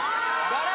誰？